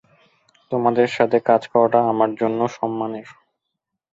তোমাদের সাথে কাজ করাটা আমার জন্যও সম্মানের।